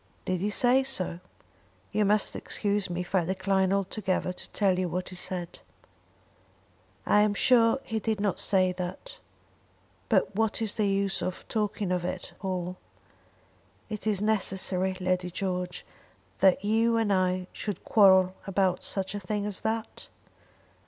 "Did he say so?" "You must excuse me if I decline altogether to tell you what he said." "I am sure he did not say that. But what is the use of talking of it all. Is it necessary, Lady George, that you and I should quarrel about such a thing as that?"